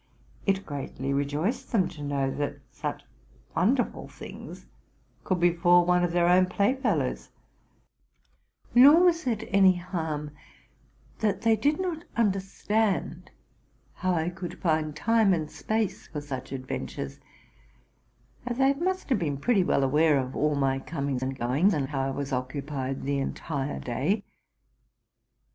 It greatly re joiced them to know that such wonderful things could befall one of their own playfellows ; nor was it any harm that they did not understand how I could find time and space for such adventures, as they must have been pretty well aware of all my comings and goings, and how I was occupied the entire day.